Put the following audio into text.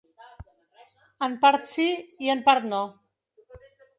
En part sí i en part no.